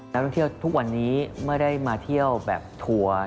นักท่องเที่ยวทุกวันนี้เมื่อได้มาเที่ยวแบบทัวร์